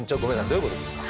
どういうことですか？